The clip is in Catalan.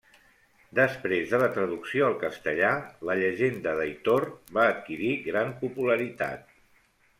Després de la traducció al castellà, la llegenda d'Aitor va adquirir gran popularitat.